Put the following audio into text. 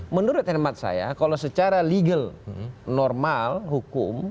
menurut hemat saya kalau secara legal normal hukum